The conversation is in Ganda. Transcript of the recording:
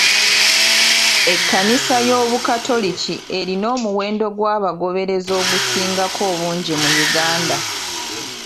Ekkanisa y'obukatoliki erina omuwendo gw'abagoberezi ogusingako obungi mu Uganda.